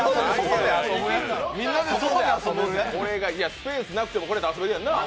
スペースなくてもこれで遊べるやんな。